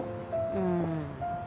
うん。